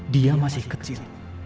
dia masih kecil